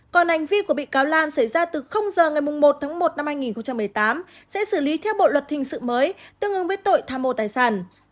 còn hành vi của bị cáo lan xảy ra từ giờ ngày một tháng một năm hai nghìn một mươi tám sẽ xử lý theo bộ luật hình sự mới tương ứng với tội tham mô tài sản